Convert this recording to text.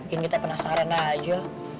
mungkin kita penasaran aja